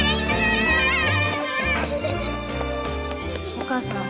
お母さん。